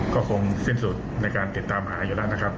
ก็คงสิ้นสุดในการติดตามหาอยู่แล้วนะครับ